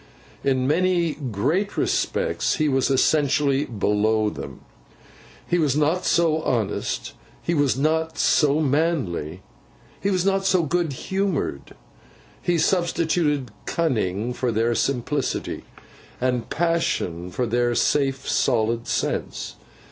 In many great respects he was essentially below them. He was not so honest, he was not so manly, he was not so good humoured; he substituted cunning for their simplicity, and passion for their safe solid sense.